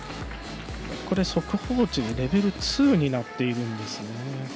速報値でレベル２になっているんですね。